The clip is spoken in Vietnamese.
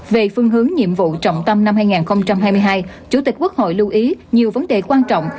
về phương hướng nhiệm vụ trọng tâm năm hai nghìn hai mươi hai chủ tịch quốc hội lưu ý nhiều vấn đề quan trọng